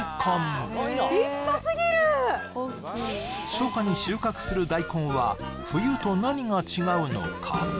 初夏に収穫する大根は冬と何が違うのか？